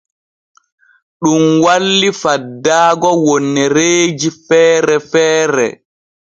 Ɗun walli faddaago wonnereeji feere feere.